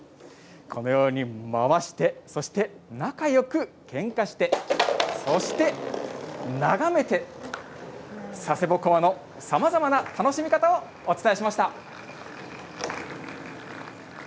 このように回してそして、仲よく喧嘩してそして眺めて佐世保独楽のさまざまな楽しみ方お伝えしました。